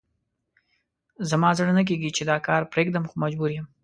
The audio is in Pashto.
زما زړه نه کېږي چې دا کار پرېږدم، خو مجبور یم.